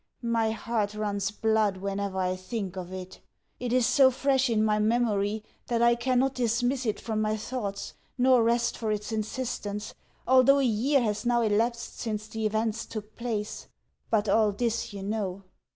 My heart runs blood whenever I think of it; it is so fresh in my memory that I cannot dismiss it from my thoughts, nor rest for its insistence, although a year has now elapsed since the events took place. But all this you know.